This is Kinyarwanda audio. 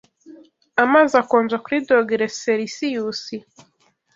Amazi akonja kuri dogere selisiyusi.